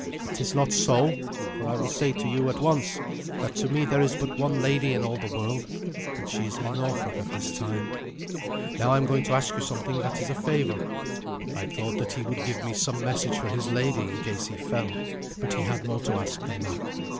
It is not so, for I will say to you at once that to me there is but one lady in all the world, and she is in Norfolk at this time. Now I am going to ask you something that is a favour." I thought that he would give me some message for this lady, in case he fell; but he had more to ask than that.